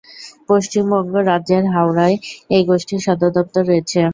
পশ্চিমবঙ্গ রাজ্যের হাওড়ায় এই গোষ্ঠীর সদর দফতর রয়েছে।